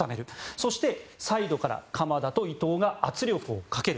そして、サイドから鎌田と伊東が圧力をかける。